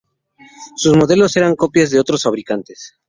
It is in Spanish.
Sus modelos eran copias de otros fabricantes.